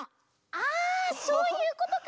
ああそういうことか！